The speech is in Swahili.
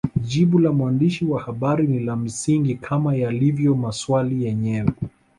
Jibu la mwandishi wa habari ni la msingi kama yalivyo maswali yenyewe